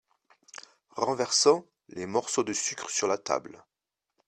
Renversant les morceaux de sucre sur la table.